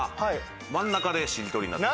真ん中でしりとりになってる。